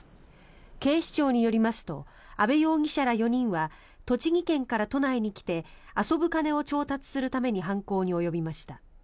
警視庁によりますと安部容疑者ら４人は栃木県から都内にきて遊ぶ金を調達するために犯行に及びました。